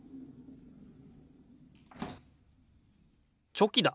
チョキだ。